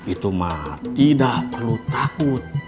itu mah tidak perlu takut